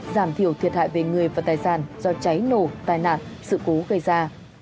giảm thiểu thiệt hại về người và tài sản do cháy nổ tai nạn sự cố gây ra